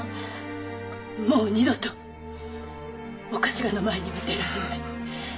もう二度とお頭の前には出られない。